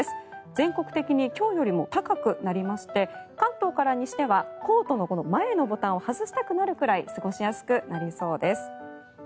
全国的に今日よりも高くなりまして関東から西ではコートの前のボタンを外したくなるくらい過ごしやすくなりそうです。